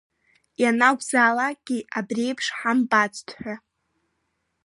Ианакәзаалакгьы абри еиԥш ҳамбацт ҳәа.